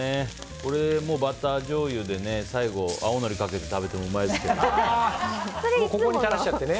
これ、バターじょうゆで最後、青のりかけても食べてもうまいですけどね。